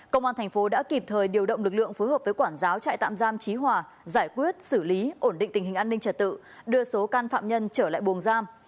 công an thành phố đã kịp thời điều động lực lượng phối hợp với quản giáo trại tạm giam trí hòa giải quyết xử lý ổn định tình hình an ninh trật tự đưa số can phạm nhân trở lại buồng giam